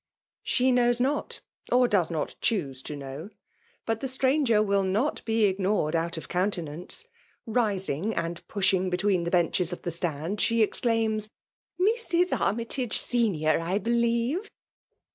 She knows not, or does not choose to kno>r. But the stranger will not be ignored out of countenance. Rising and pushing between the benches of the stand, she exclaims^ *' Mi^. Army tage, senior, I believe?